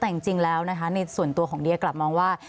แต่จริงแล้วนะคะในส่วนตัวของเดียกลับมองว่า